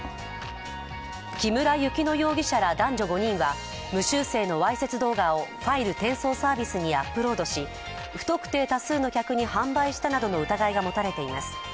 木村雪乃容疑者ら男女５人は、無修正のわいせつ動画をファイル転送サービスにアップロードし不特定多数の客に販売したなどの疑いが持たれています。